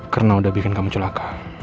karena udah bikin kamu celaka